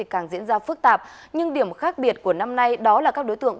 càng diễn ra phức tạp nhưng điểm khác biệt của năm nay đó là các đối tượng